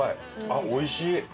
あっおいしい！